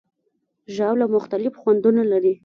ژاوله مختلف خوندونه لري.